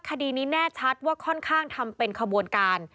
คดีนี้แน่ชัดว่าค่อนข้างทำเป็นขบวนการ